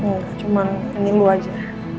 nggak cuma ini lo aja